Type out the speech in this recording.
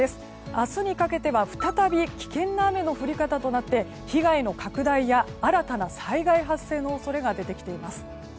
明日にかけては再び危険な雨の降り方となって被害の拡大や新たな災害発生の恐れが出てきています。